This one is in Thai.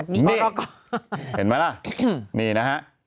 นี่เห็นไหมล่ะนี่นะฮะ